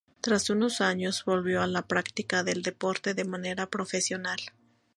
Tras unos años, volvió a la práctica del deporte de manera profesional.